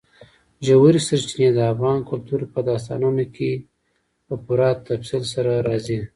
ژورې سرچینې د افغان کلتور په داستانونو کې په پوره تفصیل سره راځي.